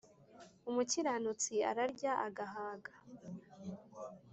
umukiranutsi ararya agahaga,